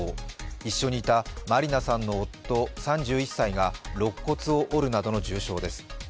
一緒にいたまりなさんの夫、３１歳がろっ骨を折るなどの重傷です。